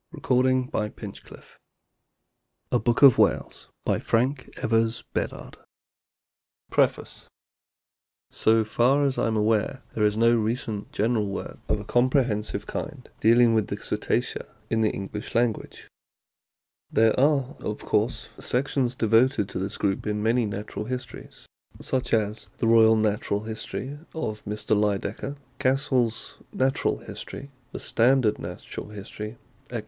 P. PUTNAM'S SONS LONDON : JOHN MURRAY, ALBEMARLE STREET 1900 PREFACE SO far as I am aware there is no recent general work of a comprehensive kind dealing with the Cetacea in the English language. There are, of course, sections devoted to this group in many Natural Histories, such as the Royal Natural History of Mr. Lydekker, Cassell's Natural History, The Standard Natural History, etc.